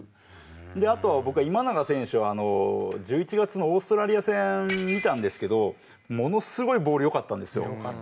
であとは僕は今永選手は１１月のオーストラリア戦見たんですけどものすごいボール良かったんですよ。